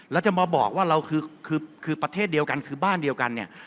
แล้วจะมาบอกว่าเราคือประเทศเดียวกันคือบ้านเดียวกันเนี่ย